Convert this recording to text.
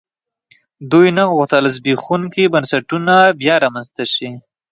دوی نه غوښتل زبېښونکي بنسټونه بیا رامنځته شي.